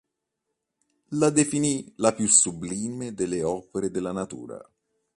La definì "la più sublime delle opere della natura".